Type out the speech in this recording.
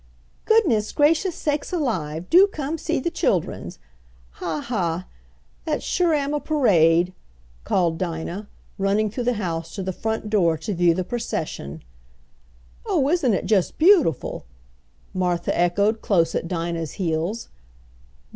"Goodness gracious, sakes alive! Do come see de childrens! Ha, ha! Dat sure am a parade!" called Dinah, running through the house to the front door to view the procession. "Oh, isn't it just beautiful!" Martha echoed close at Dinah's heels.